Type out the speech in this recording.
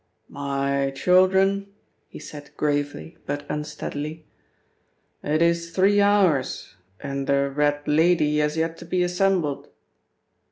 "My children," he said gravely but unsteadily, "it is three hours and the 'red lady' has yet to be assembled!"